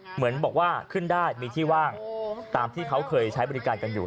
เหมือนบอกว่าขึ้นได้มีที่ว่างตามที่เขาเคยใช้บริการกันอยู่